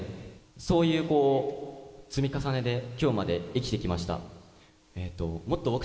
そういう積み重ねで今日まで生きてきました。